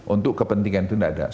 untuk kepentingan itu tidak ada